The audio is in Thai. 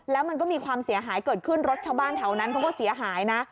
แล้วมันก็มีความเสียหายเกิดขึ้นรถชาวบ้านแถวนั้นเขาก็เสียหายนะ